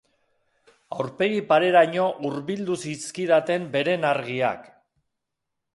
Aurpegi pareraino hurbildu zizkidaten beren argiak.